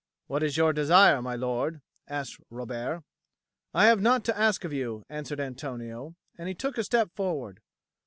"What is your desire, my lord?" asked Robert. "I have naught to ask of you," answered Antonio, and he took a step forward.